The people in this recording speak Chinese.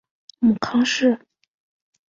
母康氏。